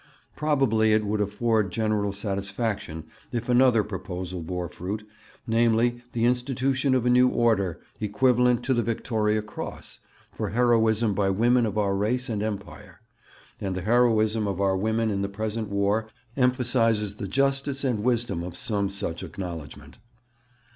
Probably it would afford general satisfaction if another proposal bore fruit, namely, the institution of a new Order, equivalent to the Victoria Cross, for heroism by women of our race and Empire; and the heroism of our women in the present War emphasizes the justice and wisdom of some such acknowledgement.